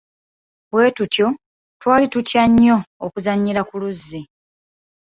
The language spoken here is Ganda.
Bwetutyo twali tutya nnyo okuzannyira ku luzzi.